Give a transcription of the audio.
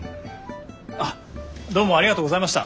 あっどうもありがとうございました。